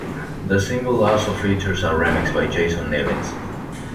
The single also features a remix by Jason Nevins.